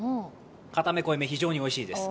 かため、こいめ、非常においしいです。